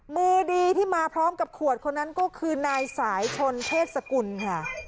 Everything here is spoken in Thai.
มือดีที่มาพร้อมกับขวดคนนั้นก็คือนายสายชนเชษสกุลค่ะ